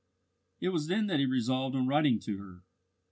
It was then that he resolved on writing to her.